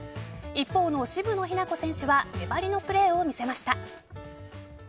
一方の渋野日向子選手は粘りのプレーを見せました。